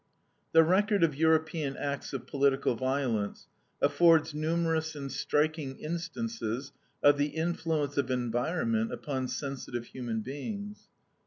The record of European acts of political violence affords numerous and striking instances of the influence of environment upon sensitive human beings.